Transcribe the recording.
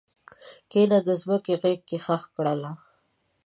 کښته د مځکې غیږ کې ښخ کړله